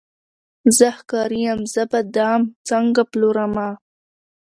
زه ښکاري یم زه به دام څنګه پلورمه